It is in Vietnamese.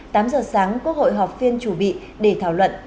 tám giờ sáng quốc hội họp phiên chủ bị để thảo luận